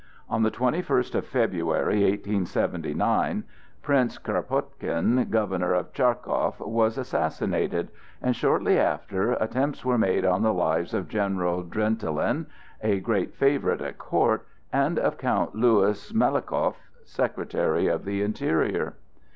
On the twenty first of February, 1879, Prince Krapotkine, Governor of Charkow, was assassinated; and shortly after, attempts were made on the lives of General Drentelen, a great favorite at court, and of Count Lewis Melikow, Secretary of the Interior.